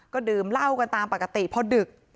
ก็ดื่มเหล้ากันตามปกติพอดึก